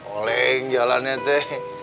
oleng jalannya teh